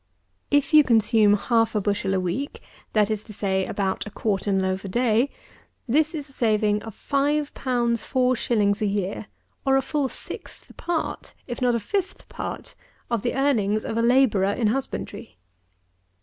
If you consume half a bushel a week, that is to say about a quartern loaf a day, this is a saving of 5_l._ 4_s._ a year, or full a sixth part, if not a fifth part, of the earnings of a labourer in husbandry.